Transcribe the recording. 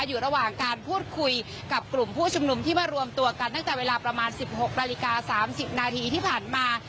อยู่ระหว่างการพูดคุยกับกลุ่มผู้ชุมนุมที่มารวมตัวกันตั้งแต่เวลาประมาณ๑๖นาฬิกา๓๐นาทีที่ผ่านมา